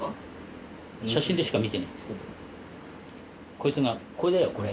こいつが「これだよこれ」。